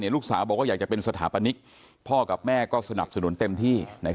ลูกสาวบอกว่าอยากจะเป็นสถาปนิกพ่อกับแม่ก็สนับสนุนเต็มที่